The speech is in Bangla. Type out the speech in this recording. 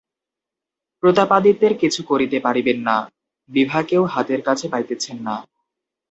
প্রতাপাদিত্যের কিছু করিতে পারিবেন না, বিভাকেও হাতের কাছে পাইতেছেন না।